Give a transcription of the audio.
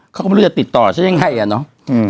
เขาก็ไม่รู้จะติดต่อฉันยังไงอ่ะเนาะ